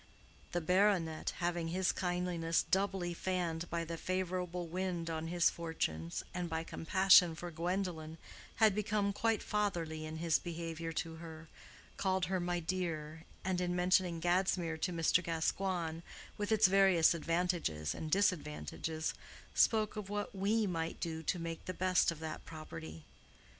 The baronet, having his kindliness doubly fanned by the favorable wind on his fortunes and by compassion for Gwendolen, had become quite fatherly in his behavior to her, called her "my dear," and in mentioning Gadsmere to Mr. Gascoigne, with its various advantages and disadvantages, spoke of what "we" might do to make the best of that property.